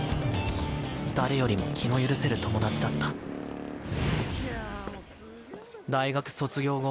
誰よりも気の許せる友達だった大学卒業後